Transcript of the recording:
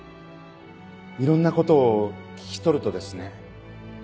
いろんなことを聞き取るとですね